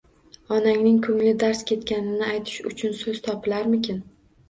Onaning ko`ngli dars ketganini aytish uchun so`z topilarmikan